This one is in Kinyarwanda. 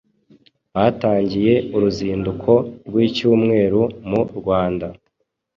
batangiye uruzinduko rw’icyumweru mu Rwanda